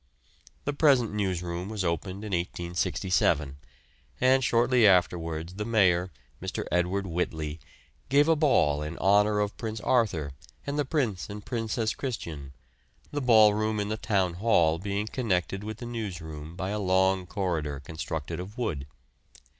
The present newsroom was opened in 1867, and shortly afterwards the Mayor, Mr. Edward Whitley, gave a ball in honour of Prince Arthur and the Prince and Princess Christian, the ballroom in the Town Hall being connected with the newsroom by a long corridor constructed of wood.